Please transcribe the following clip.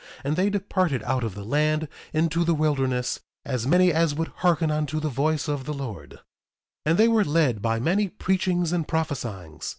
And they departed out of the land into the wilderness, as many as would hearken unto the voice of the Lord; and they were led by many preachings and prophesyings.